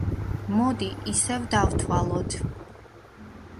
მოდი ისევ დავთვალოთ.